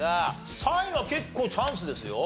３位は結構チャンスですよ。